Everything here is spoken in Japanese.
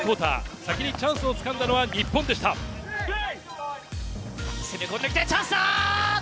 先にチャンスをつかんだのは日本攻め込んできて、チャンスだ。